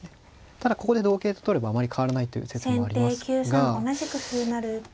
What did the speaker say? ただここで同桂と取ればあまり変わらないという説もありますが。